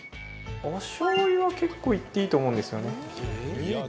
おしょうゆは結構いっていいと思うんですよね。